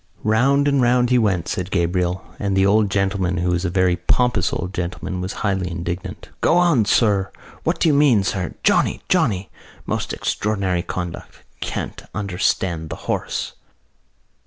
"Round and round he went," said Gabriel, "and the old gentleman, who was a very pompous old gentleman, was highly indignant. 'Go on, sir! What do you mean, sir? Johnny! Johnny! Most extraordinary conduct! Can't understand the horse!